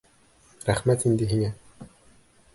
— Рәхмәт инде һиңә.